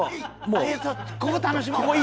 ここ楽しもう。